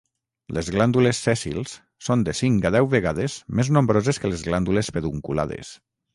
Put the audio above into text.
Les glàndules sèssils són de cinc a deu vegades més nombroses que les glàndules pedunculades.